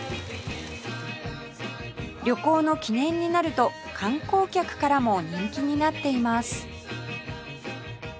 旅行の記念になると観光客からも人気になっています